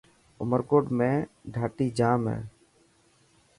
عمرڪوٽ ۾ ڌاٽي ڄام هي.